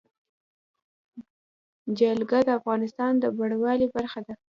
جلګه د افغانستان د بڼوالۍ برخه ده.